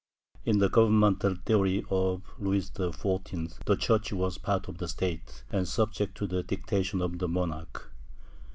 In the governmental theory of Louis XIV the Church was part of the State and subject to the dictation of the monarch.